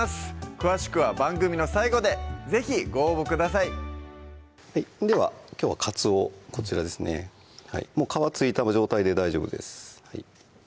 詳しくは番組の最後で是非ご応募くださいではきょうはかつおこちらですねもう皮付いた状態で大丈夫です